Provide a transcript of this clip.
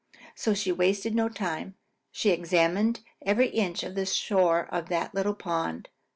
So she wasted no time. She examined every inch of the shore of that little pond.